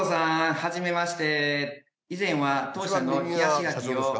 はじめまして。